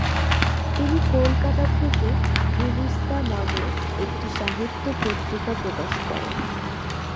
তিনি কলকাতা থেকে গুলিস্তাঁ নামে একটি সাহিত্য পত্রিকা প্রকাশ করেন।